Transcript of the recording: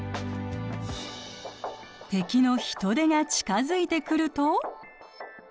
敵のヒトデが近づいてくると。